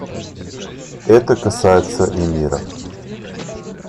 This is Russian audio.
Это касается и мира.